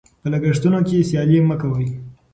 په لګښتونو کې سیالي مه کوئ.